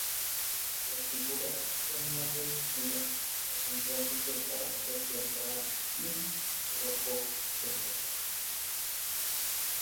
Las figuras son más reducidas, acentuándose el carácter teatral y rococó del paisaje.